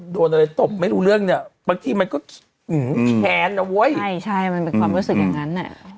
โดนอะไรตบไม่รู้เรื่องเนี่ยบางทีมันก็แค้นนะเว้ยใช่ใช่มันเป็นความรู้สึกอย่างนั้นอ่ะ